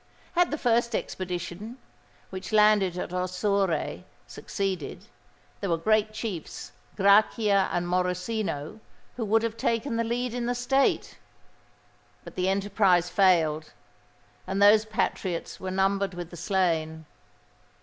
Had the first expedition, which landed at Ossore, succeeded, there were great chiefs—Grachia and Morosino—who would have taken the lead in the State. But the enterprise failed—and those patriots were numbered with the slain.